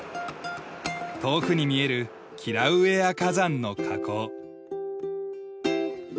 遠くに見えるキラウエア火山の火口。